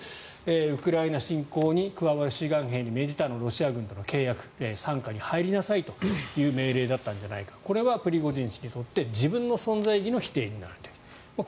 ウクライナ侵攻に加わる志願兵に命じたロシア軍との契約傘下に入りなさいという命令だったんじゃないかこれはプリゴジン氏にとって自分の存在意義の否定になる。